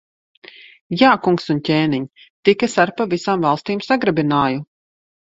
Jā, kungs un ķēniņ! Tik es ar pa visām valstīm sagrabināju.